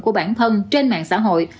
của bản thân trên mạng xã hội